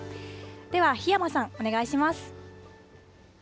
では檜山さん、お願いします。